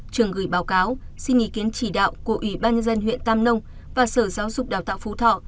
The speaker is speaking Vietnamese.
trường gửi báo cáo xin ý kiến chỉ đạo của ủy ban nhân dân huyện tam nông và sở giáo dục đào tạo phú thọ